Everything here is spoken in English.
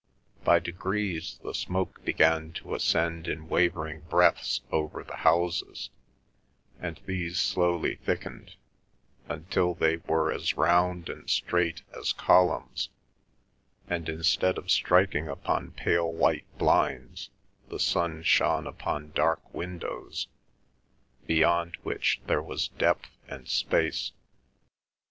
By degrees the smoke began to ascend in wavering breaths over the houses, and these slowly thickened, until they were as round and straight as columns, and instead of striking upon pale white blinds, the sun shone upon dark windows, beyond which there was depth and space.